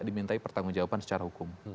dimintai pertanggung jawaban secara hukum